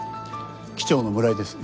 「機長の村井です。